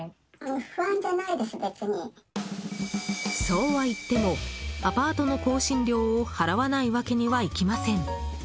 そうはいってもアパートの更新料を払わないわけにはいきません。